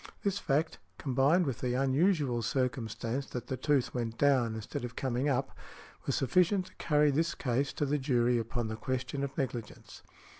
This fact, combined with the unusual circumstance that the tooth went down instead of coming up, was sufficient to carry the case to the jury upon the question of negligence.